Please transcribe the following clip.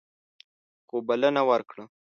خو بلنه ورکړه.